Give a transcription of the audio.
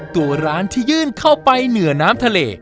ตัวร้านที่ยื่นเข้าไปเหนือน้ำทะเล